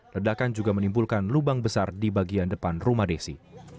ledakan juga menimbulkan lubang besar di bagian depan rumah desi